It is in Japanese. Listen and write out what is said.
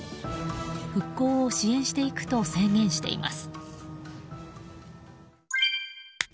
復興を支援していくと宣言しています。